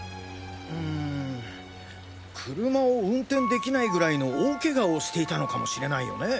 うん車を運転できないぐらいの大ケガをしていたのかもしれないよね。